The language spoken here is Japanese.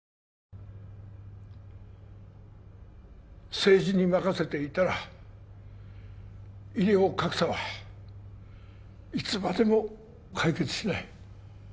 政治に任せていたら医療格差はいつまでも解決しない